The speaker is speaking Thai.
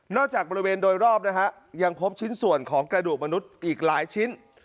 จากบริเวณโดยรอบนะฮะยังพบชิ้นส่วนของกระดูกมนุษย์อีกหลายชิ้น